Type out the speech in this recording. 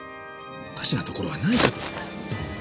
おかしなところはないかと。